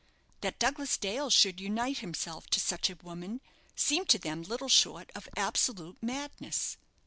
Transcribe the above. That Douglas Dale should unite himself to such a woman seemed to them little short of absolute madness.